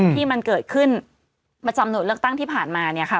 ที่มันเกิดขึ้นประจำหน่วยเลือกตั้งที่ผ่านมาเนี่ยค่ะ